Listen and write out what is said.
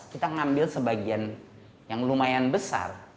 kita ngambil sebagian yang lumayan besar